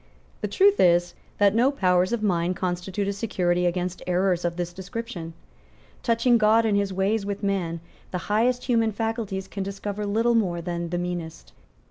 The truth is that no powers of mind constitute a security against errors of this description. Touching God and His ways with man, the highest human faculties can discover little more than the meanest.